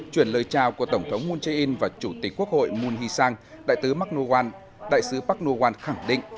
chuyển lời chào của tổng thống moon jae in và chủ tịch quốc hội moon hee sang đại sứ park ngoan khẳng định